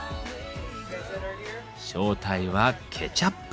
正体はケチャップ。